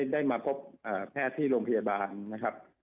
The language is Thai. ได้มาพบแพทย์ที่โรงพยาบาลนะครับ